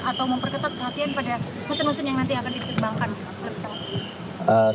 atau memperketat perhatian pada mesin mesin yang nanti akan diterbangkan